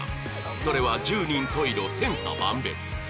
それは十人十色千差万別